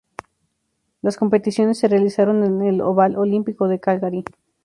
Las competiciones se realizaron en el Oval Olímpico de Calgary.